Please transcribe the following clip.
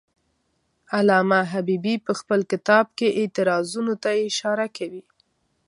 علامه حبیبي په خپل کتاب کې اعتراضونو ته اشاره کوي.